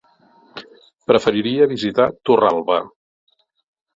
Preferiria visitar Torralba.